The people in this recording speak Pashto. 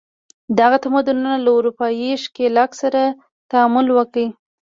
دغه تمدنونو له اروپايي ښکېلاک سره تعامل وکړ.